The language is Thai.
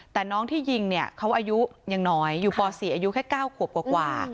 แต่น้องที่ยิงเนี่ยเขาอายุยังน้อยอยู่ป๔อายุแค่๙ขวบกว่า